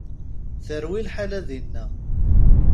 Terwi lḥala dinna.